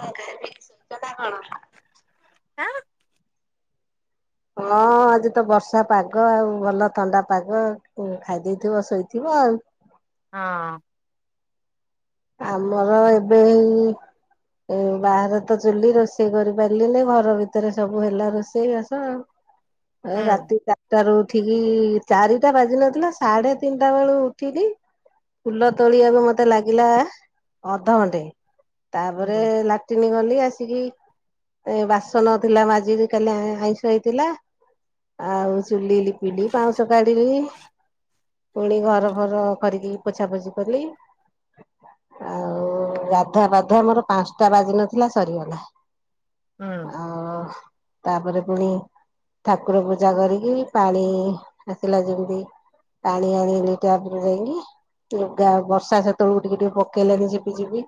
କଣ ଖାନ୍ତି ସେ କଥା କଣ? ଆଁ। ହଁ ଆଜିତ ବର୍ଷା ପାଗ ଆଉ ଭଲ ଥଣ୍ଡା ପାଗ ହୁଁ ଖାଇଦେଇଥିବ ଶୋଇଥିବ ଆଉ। ହଁ। ଆମର ଏବେ ଏଇ ଏ ବାହାରେ ତ ଚୁଲ୍ହି ରୋଷେଇ କରିପାରିଲିନି ଘର ଭିତରେ ସବୁ ହେଲା ରୋଷେଇବାସ ଆଉ। ରାତି ଚାର୍ଟାରୁ ଉଠିକି ଚାରିଟା ବାଜି ନଥିଲା ସାଢେ ତିନ୍ଟା ବେଳୁ ଉଠିକି ଫୁଲ ତୋଳିବାକୁ ମତେ ଲାଗିଲା ଅଧଘଣ୍ଟେ ତାପରେ ଲା ଟିନି ଗଲି ଆସିକି ଏ ବାସନ ଥିଲା ମାଜିଲି କାଲି ଆ ଆଇଁଷ ହେଇଥିଲା। ଆଉ ଚୁଲି ଲିପିଲି ପାଉଁଶ କାଢି଼ଲି ପୁଣି ଘର ଫର ଖରିକିକି ପୋଛାପୋଛି କଲି। ଆଉ ଗାଧୁଆପାଧୁଆ ମୋର ପାଞ୍ଚ୍ଟା ବାଜି ନଥିଲା ସରିଗଲା। ଆଉ ତାପରେ ପୁଣି ଠାକୁର ପୂଜା କରିକି ପାଣି ଆସିଲା ଯେମିତି ପାଣି ଆଣିଲି ଟ୍ୟପ୍ ରୁ ଯାଇଁକି ଲୁଗା ବର୍ଷା ସେତେବେଳକୁ ଟିକେ ଟିକେ ପକେଇଲାନି ଝିପିଝିପି।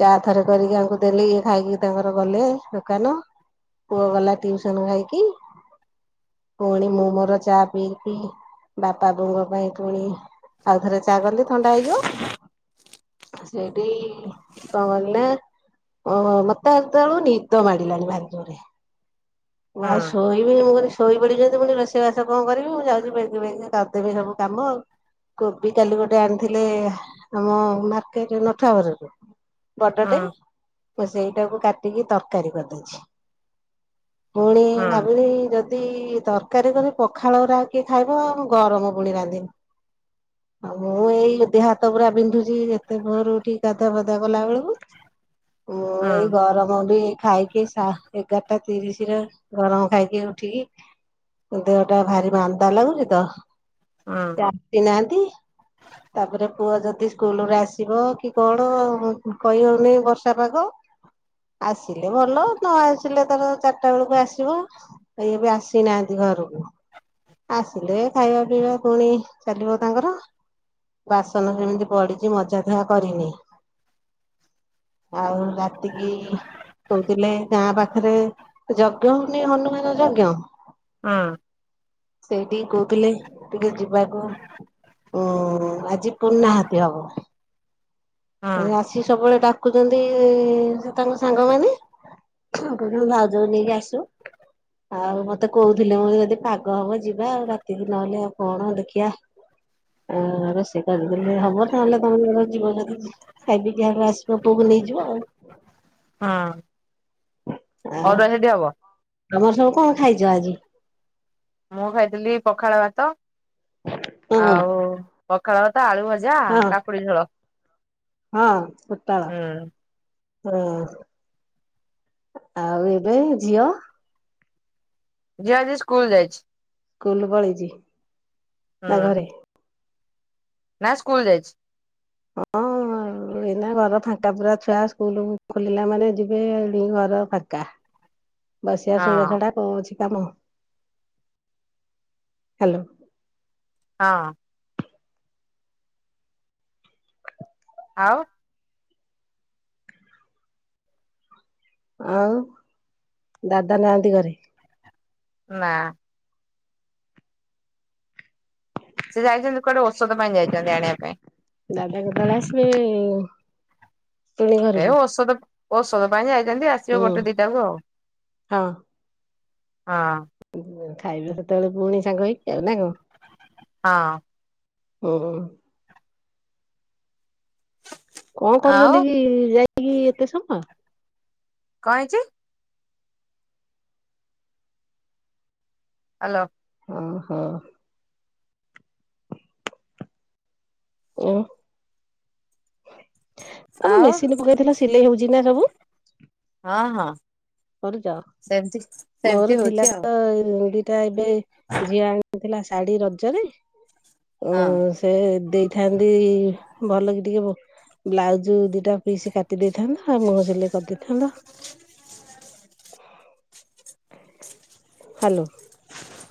ଚା ଥରେ କରିକି ଆଙ୍କୁ ଦେଲି ଇଏ ଖାଇକି ତାଙ୍କର ଗଲେ ଦୋକାନ। ପୁଅ ଗଲା ଟିଉସନ ଖାଇକି। ପୁଣି ମୁଁ ମୋର ଚା ପିଇକି ବାପା ବୋଉଙ୍କ ପାଇଁ ପୁଣି ଆଉ ଥରେ ଚା କଲି ଥଣ୍ଡା ହେଇଯିବ। ହଁ ସେଇଟି କଣ କଲି ନା ଓହୋ, ମୋତେ ଆଜି କଣ ନିଦ ଲାଗିଲାଣି ଭାର ଜୋରେ। ଆଉ ଶୋଇବି ମୁଁ କହିନି ଶୋଇ ପଡିଛନ୍ତି ପୁଣି ରୋଷେଇ ବାସ କଣ କରିବି ମୁଁ ଯାଉଛି ମେଗି ମେଗି କା ଏବେ ସବୁ କାମ ଆଉ। କୋବି କାଲି ଗୋଟେ ଆଣିଥିଲେ ଆମ ମାର୍କେଟ୍ ନଠୁଆଘରୁକୁ। ବଡ ଟେ ମୁଁ ସେଇଟାକୁ କାଟିକି ତରକାରୀ କରିଦେଇଛି। ପୁଣି ସେଠି ଭାବିଲି ଯଦ ଦି ତରକାରୀ କରି ପଖାଳ ର ଆଗେ ଖାଇବା ଆଉ ଗରମ ପୁଣି ରାନ୍ଧିନି। ଆଉ ଏଇ ଯୋଉ ଦେହ ହାତ ପୁରା ବିନ୍ଧୁଚି ଏତେ ଭୋରୁ ଉଠିକି ଗାଧା ଫାଧା କଲା ବେଳକୁ। [unintelligible] ମୁଁ ଏଇ ଗରମ ବି ଏଇ ଖାଇକି ସା-ଏଗାରଟା ତିରିଶ ଥିରେ ଗରମ ଖାଇକି ଉଠିକି ଦେହ ଟା ଭାରି ମାନ୍ଦା ଲାଗୁଚି ତ। ହଁ। ତ ଆସି ନାହାନ୍ତି। ତାପରେ ପୁଅ ଯଦି ସ୍କୁଲ୍ ରୁ ଆସିବ କି କଣ କହି ହଉନି ବର୍ଷା ପାଗ। ଆସିଲେ ଭଲ ନ ଆସିଲେ ତାର ଚାରଟା ବେଳକୁ ଆସିବ। ଇଏ ବି ଆସିନାହାନ୍ତି ଘରକୁ। ଆସିଲେ ଖାଇବା ପିଇବା ପୁଣି ଚାଲିବ ତାଙ୍କର। ବାସନ ସେମିତି ପଡିଚି ମଜା ଧୁଆ କରିନି। ଆଉ ରାତିକି କହୁଥିଲେ ଗାଁ ପାଖରେ ଯଜ୍ଞ ହଉନି ହନୁମାନ ଯଜ୍ଞ। ହଁ। ସେଇଠିକି କହୁଥିଲେ ଟିକେ ଯିବାକୁ ଅ, ହଁ ଆଜି ପୂର୍ଣ୍ଣାହାତି ହବ। ଅଁ, ଆସିକି ସବୁବେଳେ ଡାକୁଚନ୍ତି ସେ ତାଙ୍କ ସାଙ୍ଗମାନେ। ଆଉ କୋଉଦିନ ଭାଉଜକୁ ନେଇକି ଆସିବ। ଆଉ ମୋତେ କହୁଥିଲେ ମୁଁ ଯଦି ପାଗ ହବ ଯିବା ଆଉ ରାତିକି ନହେଲେ ଆଉ କଣ ଦେଖିଆ। ଆ, ରୋଷେଇ କରିଦେଲେ ହବ ତାହେଲେ ତୋମ ଯିବ ଯଦି ଖାଇ ପିଇକି [unintelligible] ଆସିବ ପୁଅକୁ ନେଇଯିବ ଆଉ। ହଁ। ଆଉ ତୋମର ସବୁ କଣ ଖାଇଛ ଆଜି? ମୁଁ ଖାଇଥିଲି ପଖାଳ ଭାତ ହଁ ଆଉ ପଖାଳ କ ତ ଆଳୁ ଭଜା ହଁ କାକୁଡି ଝୋଳ ହଁ ପୋଟଳ। ହୁଁ,। ହଁ ଆଉ ଏବେ ଝିଅ ଝିଅ ଆଜି ସ୍କୁଲ୍ ଯାଇଛି। ସ୍କୁଲ୍ ପଳେଇଚି। ହୁଁ। ନା ସ୍କୁଲ୍ ଯାଇଛି। ହଁ। ଅ, ଏଇନା ଘର ଫାଙ୍କା ପୁରା ଛୁଆ ସ୍କୁଲ୍ ଖୋଲିଲା ମାନେ ଯିବେ ଏ ଘର ଫାଙ୍କା। [unintelligible] ବସିବା ଶୋଇବା ହଁ ଛଡା କଣ ଅଛି କାମ? ହାଲୋ! ହଁ। ଆଉ? ଆଉ ଦାଦା ନାହାନ୍ତି ଘରେ? ନା। ସେ ଯାଇଛନ୍ତି କୁଆଡେ ଔଷଧ ପାଇଁ ଯାଇଛନ୍ତି ଆଣିବା ପାଇଁ। ଦାଦା କେତବେଳେ ଆସିବେ? ପୁଣି ଏ ଘରକୁ ଔଷଧ ଔଷଧ ପାଇଁ ଯାଇଛନ୍ତି ଆସିବ ହୁଁ ଗୋଟେ ଦିଟାକୁ ଆଉ। ହଁ ହଁ। ଖାଇବେ ସେତେବେଳେ ପୁଣି ସାଙ୍ଗ ହେଇକି ଆଉ ନା କଣ? ହଁ। ଓହୋ। କଣ ଆଉ କରୁଛନ୍ତି କି ଯାଇକି ଏତେ ସମ? କଣ ହେଇଛି? ହାଲୋ। ହଁ ହଁ। ଓ ଆମ ଆଉ ମେସିନ ପକେଇଥିଲା ସିଲେଇ ହଉଛି ନା ସବୁ? ହଁ ହଁ। କରୁଛ ସେମିତି ସେମିତି ମୋର ଥିଲା ହଉଛି ଆଉ ତ ଦିଟା ଏବେ ଝିଅ ଆଣି ଥିଲା ଶାଢୀ ରଜରେ ହଁ। ସେ ଦେଇ ଥାନ୍ତି ଭଲ କି ଟିକେ ବ୍ଲାଉଜ ଦିଟା ପିସ କାଟି ଦେଇଥାନ୍ତ ଆଉ ମୁହଁ ସିଲେଇ କରିଦେଇଥାନ୍ତ। ହ୍ୟାଲୋ।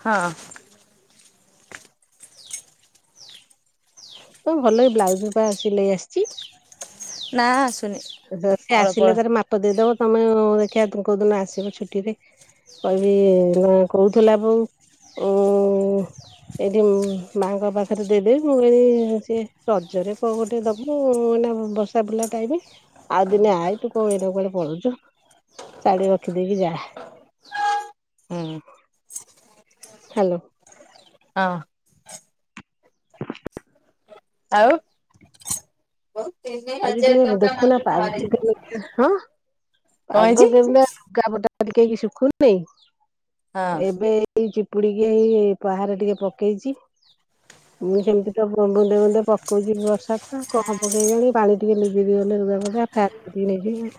ହଁ। ତମକୁ ଭଲେଇ ବ୍ଲାଉଜ ପା ସିଲେଇ ଆସିଛି। ନା। ଆସୁନି। କେତେବେଳେ ସେ ଅଳପ ଅଳ ଆସିଲେ ତାର ମାପ ଦେଇଦବ ତମେ ଦେଖିବା କୋଉଦିନ ଆସିବ ଛୁଟିରେ। କହିବି ନା କହୁଥିଲା ବୋଉ ଉ ଏଇଠି ମାଙ୍କ ପାଖରେ ଦେଇଦେବି ମୁଁ କଇଲି ସିଏ ରଜରେ କଁ ଗୋଟେ ଦବୁ ଏଇନା ବର୍ଷା ବୁଲା ଟାଇମ। ଆଉ ଦିନେ ଆଇ ତୁ କୋଉ ଏଇନା କୁଆଡେ ପଳଉଛୁ ଶାଢୀ ରଖିଦେଇକି ଯା। ହୁଁ। ହାଲୋ। ହଁ। ଆଉ? ତିନି ଆଜି ହଜାର ଟିକେ ଟଙ୍କା ଦେଖୁନା ମାତ୍ର ପା କଣ ହଁ ପଗ ହେଇଛି କେମିତି ଲୁଗାପଟା ଟିକେ ବି ଶୁଖୁନି ହଁ ଏବେ ଏଇ ଚିପୁଡିକି ଏଇ ପାହାରେ ଟିକେ ପକେଇଛି। ମୁଁ ସେମିତି ତ ବୁନ୍ଦେ ବୁନ୍ଦେ ପକଉଛି ବର୍ଷା ଟ କଣ ପକେଇ ଜଣି। ପାଣି ଟିକେ ନିଗିରିଗଲେ ଲୁଗାପଟା ପ୍ୟାନ କତିକି ନେଇ ଯିବି।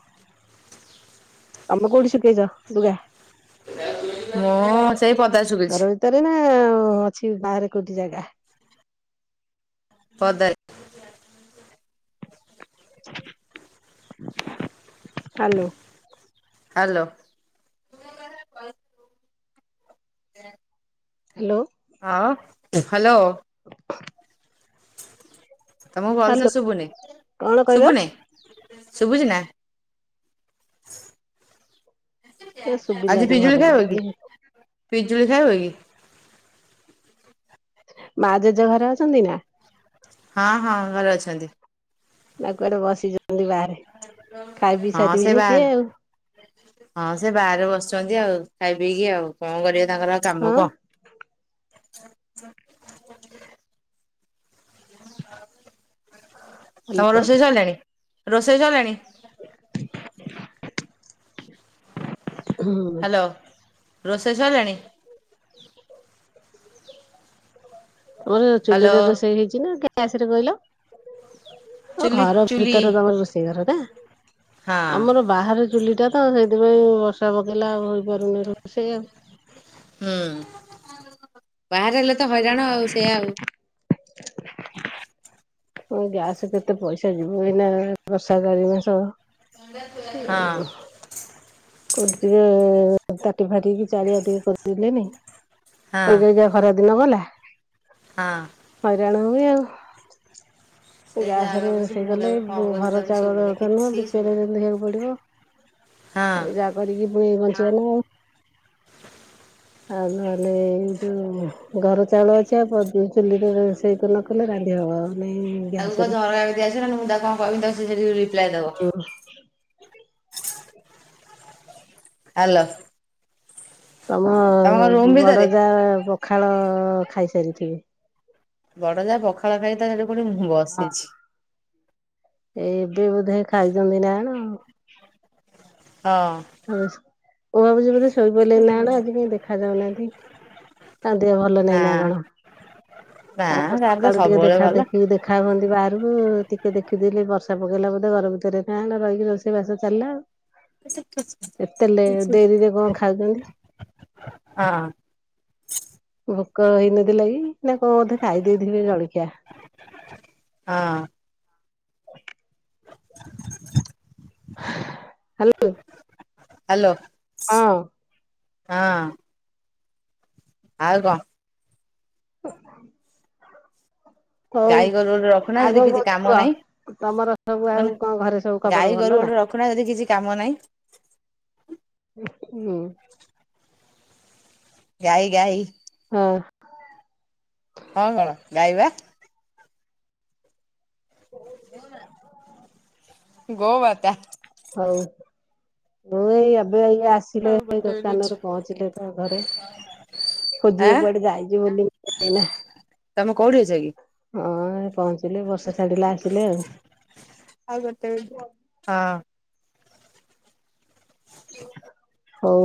ତମେ କୋଉଠି ଶୁଖେଇଛ ତୁଗ? ମୁଁ ସେଇ ପଦାରେ ଶୁଖେଇଛି। ସତରେ ନା ଅଛି ବାହାରେ କୋଉଠି ଜାଗା? ପଦାରେ ହ୍ୟାଲୋ। ହ୍ୟାଲୋ। ହ୍ୟାଲୋ। ହଁ ହ୍ୟାଲୋ। ତମକୁ ଭଲସେ ହ୍ୟାଲୋ ଶୁଭୁନି କଣ କହିଲ ଶୁଭୁନି। ଶୁଭୁଛି ନା। ଏ ଆଜି ଶୁଭିଲାନି ପିଜୁଳି ଭଲ ଖାଇବ କି ପିଜୁଳି ଖାଇବ କି। ମା ଜେଜେ ଘରେ ଅଛନ୍ତି ନା। ହଁ ହଁ ଘରେ ଅଛନ୍ତି। ନା କୁଆଡେ ବସିଛନ୍ତି ବାହାରେ ଖାଇ ପି ହଁ ସେ ସାରିବେନି ବାହାରେ ସିଏ ଆଉ। ହଁ ସେ ବାହାରେ ବସିଛନ୍ତି ଆଉ ଖାଇ ପିଇକି ଆଉ କଣ କରିବେ ତାଙ୍କର ଆଉ ହଁ କାମ ହୁଁ କଣ। ତମର ରୋଷେଇ ସରିଲାଣି ରୋଷେଇ ସରିଲାଣି। ହୁଁ। ହ୍ୟାଲୋ ରୋଷେଇ ସଇଲାଣି। ମୋର ହ୍ୟାଲୋ ଚୁଲିରେ ରୋଷେଇ ହେଇଛି ନା ଗ୍ୟାସରେ କହିଲ। ଓ ଚୁଲି ଘର ଚୁଲି ଭିତରେ ତମର ରୋଷେଇ ଘର ଟା ହଁ ଆମର ବାହାରେ ଚୁଲିଟା ତ ସେଇଥିପାଇଁ ବର୍ଷା ପକେଇଲା ଆଉ ହେପାରୁନି ରୋଷେଇ ଆଉ। ହୁଁ ବାହାରେ ହେଲେ ତ ହଇରାଣ ଆଉ ସେୟା ଆଉ। ଗ୍ୟାସ କେତେ ପଇସା ଯିବ ଏଇନା ବର୍ଷା ଚାରି ମାସ। ହଁ। କୋଉଠି ଟିକେ ତାଟି ଫାଟିକି ଚାରଆ ଟିକେ କରିଦେଲେନି ହଁ କହକ ଯା ଖରା ଦିନ ଗଲା। ହଁ। ହଇରାଣ ହେବେ ଆଉ। ସେ ଯାହା ଗ୍ୟାସ ରେ ଗପୁଛି ରୋଷେଇ ମୁଁ କଲେ ତାକୁ କଣ କହୁଛି ଘର ତାକୁ ଚାଉଳ ଶୁଭୁନି ତ ନୁହଁ କିଛି ବି ପି ଏଲ ଶୁଭୁନି ଯେମିତି ହେବାକୁ ପଡିବ। ହଁ। ଯାହା କରିକି ପୁଣି ବଞ୍ଚିବ ନା ଆଉ। ଆଉ ନହେଲେ ଏଇ ଯୋଉ ଘର ଚାଉଳ ଅଛି ଆଉ ଚୁଲିରେ ରୋଷେଇ କ କ ରାନ୍ଧି ହବ ଆଉ ନାଇଁ ତାକୁ କହ ଗ୍ୟାସରେ। ଝରକା କତିକି ଆସିବ ନା ମୁଁ ତାକୁ କଣ କହିବି ସେଠି ରିପ୍ଲାଏ ଦବ। ହ। [inaudible] ହ୍ୟାଲୋ। ତମ ତମେ କଣ ରୁମ୍ ଭିତରେ ବଡଯା ପଖାଳ ଖାଇସାରିଥିବେ। ବଡ ଯା ପଖାଳ ଖାଇ ତା ସେଠି କୋଉଠି ବସିଛି। ଏ ଏବେ ବୋଧେ ଖାଇଛନ୍ତି ନା କଣ। ହଁ। ହ ମୁଁ ଭାବୁଛି ବୋଧେ ଶୋଇପଡ଼ିଲେଣି ନା କଣ ଆଜି କାଇଁ ଦେଖା ଯାଉନାହାନ୍ତି। କି ତାଙ୍କ ଦେହ ଭଲ ନାଇଁ ନା କଣ ନା ତା ପରେ ତାର ତ ସକାଳୁ ଟିକେ ସବୁବେଳେ ଦେଖା ଭଲ। ଦେଖି ଦେଖା ହୁଅନ୍ତି ବାହାରୁକ ଟିକେ ଦେଖିଦେଲେ ବର୍ଷା ପକେଇଲା ବୋଧେ ଘର ଭିତରେ କାଁ ହେ ରହିକି ରୋଷେଇ ବାସ ଚାଲିଲା ଆ। ସେଛି [inaudible] ଏତେ ଲେ ଡେରିରେ କଣ ଖାଉଛନ୍ତି। ହଁ ଭୋକ ହେଇନଥିଲା କି ନା କଣ ବୋଧେ ଖାଇ ଦେଇଥିଲେ ଜଳଖିଆ। ହଁ। ହ୍ୟାଲୋ। ହ୍ୟାଲୋ। ହଁ। ହଁ। ଆଉ କଣ? ହ [inaudible] ହଉ ଗାଈ ଗୋରୁ ଗୋଟେ ରଖୁନା ଆଉ ଯଦି କଣ କିଛି କହୁଚ କାମ କୁହ? ନାହିଁ ତମର ସବୁ ମାନେ ଆଉ କଣ ଘରେ ସବୁ ଖବର ଗାଈ ଗୋରୁ ଭଲ ନା? ଗୋଟେ ରଖୁନା ଯଦି କିଛି କାମ ନାହିଁ ହୁଁ। ଗାାଇ, ଗାଇ ହଁ। କଣ, କଣ ଗାଇବା [unintelligible] ହଉ, ମୁଁ ଏଇ ଏବେ ଇ ଆସି ଆଉ [unintelligible] ଗୋଟେ ମିନିଟ୍। ଦୋକାନରେ ପହଞ୍ଚିଲେ ତ ଘରେ ଖୋଜିବା ଆଁ କୁଆଡେ ଯାଇଛି ବୋଲି [unintelligible] ତମେ କୋଉଠି ଅଛ କି? ହଁ ଏ ପହଞ୍ଚିଲେ ବର୍ଷା ଛାଡ଼ିଲା ଆସିଲେ ଆଉ। ଆଉ ଗୋଟେ ବୋଲି, ହଁ। ହଉ।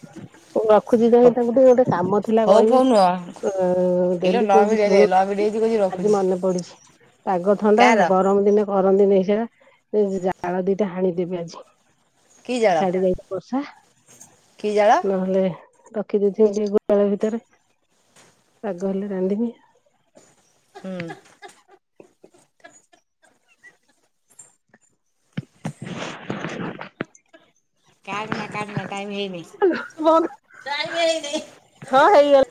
ହ ମୁ ରଖୁଛି ଯାଇ ତାଙ୍କୁ ଟିକେ ଗୋଟେ କାମ ଥିଲା ଫଉ ନୁହଁ କହିବି। ଇଲୋ ଡେଲି ଲଭ୍ କହୁଛି ମ୍ୟାରେଜ୍ ଲଭ୍ ଶୁଣୁନାହାନ୍ତି। ମ୍ୟାରେଜ୍ କହୁଛି ଆଜି ରଖୁଛି। ମନେ ପଡିଛି, ପାଗ ଥଣ୍ଡା, କାର ଗରମ ଦିନେ କରନ୍ତିନି ସେଇଟା ସେ ଜାଳ ଦିଟା ହାଣିଦେବେ ଆଜି। କି ଜଳ ଛାଡିଯାଇଚି ବର୍ଷା। କି ଜାଳ? ନହେଲେ ରଖିଦେଇଥିବି ସେହି ଗୁହାଳ ଭିତରେ ପାଗ ହେଲେ ରାନ୍ଧମି। ହୁଁ। କାଟନା, କାଟନା ଟାଇମ୍ ହେଇନି। ଟାଇମ୍ ହେଇନି। ହଁ ହେଇଗଲା